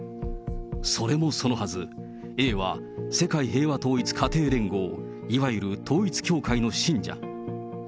それもそのはず、Ａは世界平和統一家庭連合、いわゆる統一教会の信者。